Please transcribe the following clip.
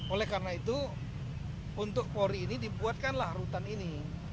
oleh karena itu untuk polri ini dibuatkanlah rutan ini